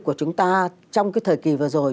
của chúng ta trong cái thời kì vừa rồi